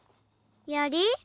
やり？